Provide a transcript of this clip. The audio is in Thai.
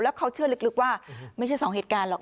เขาเชื่อลึกว่าไม่ใช่สองเหตุการณ์หรอก